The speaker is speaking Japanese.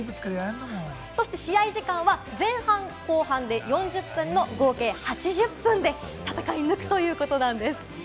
試合時間は前半、後半で４０分の合計８０分で戦い抜くということです。